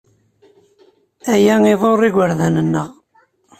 Aya iḍurr igerdan-nneɣ.